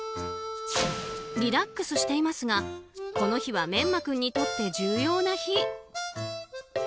リラックスしていますがこの日はめんま君にとって重要な日。